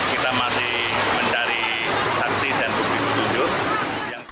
kita masih mendari saksi dan bukti ketujuh